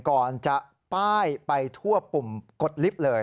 ก่อนจะป้ายไปทั่วปุ่มกดลิฟต์เลย